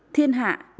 thiên hạ đệ vân quan